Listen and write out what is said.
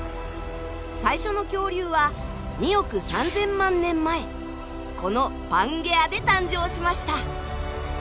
最初の恐竜は２億３，０００万年前このパンゲアで誕生しました。